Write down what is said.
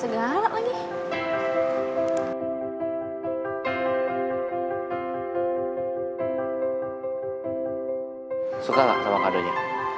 dan juga ini